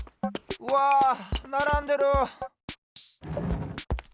うわならんでる！